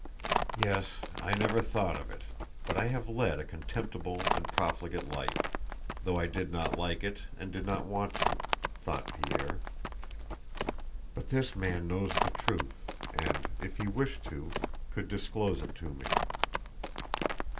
"Yes, I never thought of it, but I have led a contemptible and profligate life, though I did not like it and did not want to," thought Pierre. "But this man knows the truth and, if he wished to, could disclose it to me."